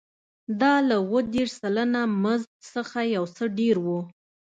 دا له اووه دېرش سلنه مزد څخه یو څه ډېر و